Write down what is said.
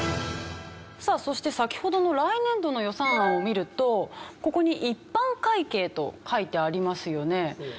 さあそして先ほどの来年度の予算案を見るとここに「一般会計」と書いてありますよね。